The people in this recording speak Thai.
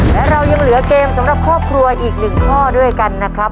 และเรายังเหลือเกมสำหรับครอบครัวอีก๑ข้อด้วยกันนะครับ